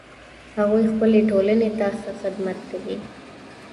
هغوی خپلې ټولنې ته ښه خدمت کوي